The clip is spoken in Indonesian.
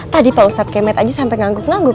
tadi pak ustad kemet aja sampe ngangguk ngangguk